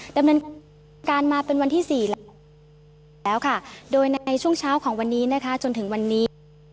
ดำเนินการมาเป็นวันที่สี่แล้วค่ะโดยในช่วงเช้าของวันนี้นะคะจนถึงวันนี้